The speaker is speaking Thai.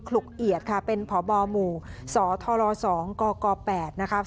ลุกเอียดค่ะเป็นพบหมู่สธร๒กก๘นะคะ